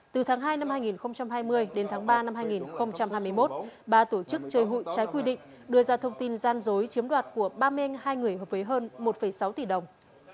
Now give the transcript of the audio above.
từ tháng hai năm hai nghìn hai mươi đến tháng ba năm hai nghìn hai mươi một ba tổ chức chơi hụi trái quy định đưa ra thông tin gian dối chiếm đoạt của ba men hai người hợp với hơn một sáu tỷ đồng